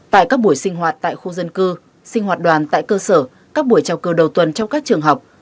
tại các buổi sinh hoạt tại khu dân cư sinh hoạt đoàn tại cơ sở các buổi trao cơ đầu tuần trong các trường học